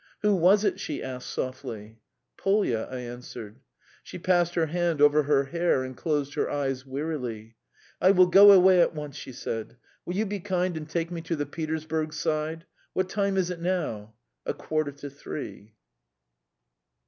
"Who was it?" she asked softly. "Polya," I answered. She passed her hand over her hair and closed her eyes wearily. "I will go away at once," she said. "Will you be kind and take me to the Petersburg Side? What time is it now?" "A quarter to three."